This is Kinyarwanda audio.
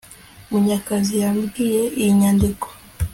Munyakazi yabwiye iyi nyandiko